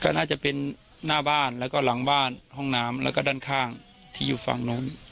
ก็น่าจะเป็นหน้าบ้านแล้วก็หลังบ้านห้องน้ำแล้วก็ด้านข้างที่อยู่ฝั่งนู้น